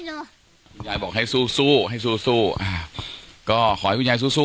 คุณยายบอกให้สู้ให้สู้อ่าก็ขอคุณยายสู้